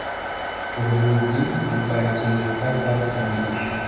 Uru rugi ntirwakinguka byavuzwe na mugisha